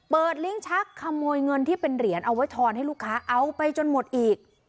ลิ้นชักขโมยเงินที่เป็นเหรียญเอาไว้ทอนให้ลูกค้าเอาไปจนหมดอีก